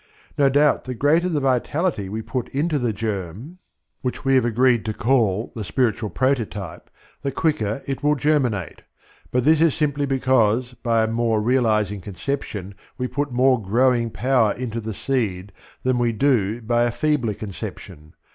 No doubt the greater the vitality we put into the germ, which we have agreed to call the spiritual prototype, the quicker it will germinate; but this is simply because by a more realizing conception we put more growing power into the seed than we do by a feebler conception.